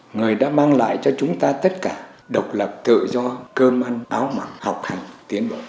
người đã mang lại cho chúng ta tất cả độc lập tự do cơm ăn áo mặn học hành tiến bộ